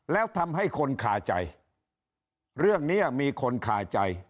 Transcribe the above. แล้วทำให้คนคาใจเรื่องนี้มีคนคาใจ